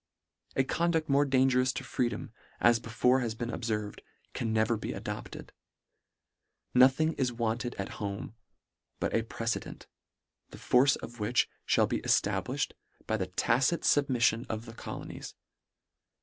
A conduct more dangerous to freedom, as be fore has been obferved, can never be adopt ed. Nothing is wanted at home but a pre cedent, the force of which fhall be eftabliuh ed, by the tacit fubmiffion of the colonies.